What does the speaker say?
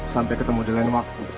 sampai ketemu dengan lain waktu